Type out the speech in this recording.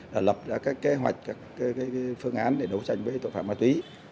đã lập ra các kế hoạch các phương án để đấu tranh với tội phạm ma túy